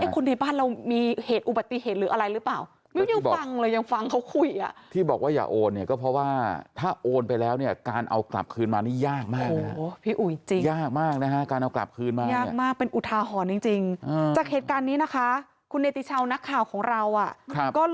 คือเราจะปรุกราชเรื่องนู้นเรื่องนี้ไงนะครับ